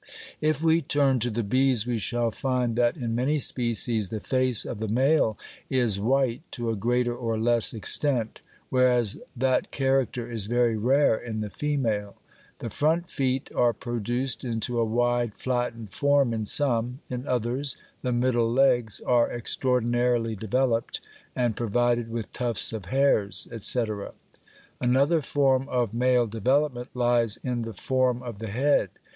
If we turn to the bees we shall find that in many species the face of the male is white to a greater or less extent, whereas that character is very rare in the female. The front feet are produced into a wide flattened form in some, in others the middle legs are extraordinarily developed, and provided with tufts of hairs, etc. Another form of male development lies in the form of the head.